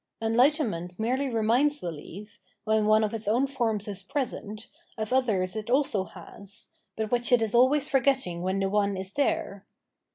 Enhghten ^^xmorely reminds behef, when one of its own forms is preset, of others it also has, but which it is always forgett^g when the one is there.